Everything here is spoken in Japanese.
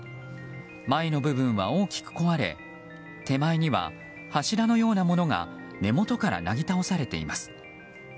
前の部分は大きく壊れ手前には柱のようなものが根元からなぎ倒されています。